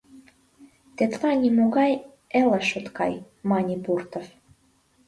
«Тетла нимогай элыш от кай, — мане Пуртов.